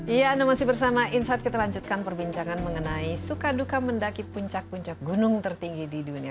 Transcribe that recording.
iya anda masih bersama insight kita lanjutkan perbincangan mengenai suka duka mendaki puncak puncak gunung tertinggi di dunia